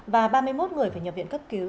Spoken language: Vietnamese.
và ba mươi một người phải nhập viện cấp cứu